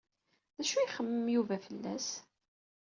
D acu ay ixemmem Yuba fell-as?